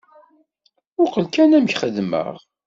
Muqel kan amek xeddmeɣ.